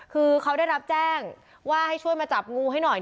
คือเขาได้รับแจ้งว่าให้ช่วยมาจับงูให้หน่อย